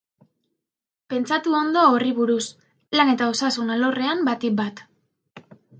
Pentsatu ondo horri buruz, lan eta osasun alorrean batipat.